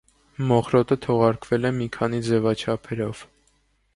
«Մոխրոտը» թողարկվել է մի քանի ձևաչափերով։